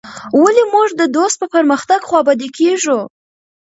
ولي موږ د دوست په پرمختګ خوابدي کيږو.